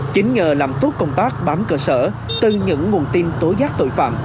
chính nhờ làm tốt công tác bám cửa sở từ những nguồn tin tối giác tội phạm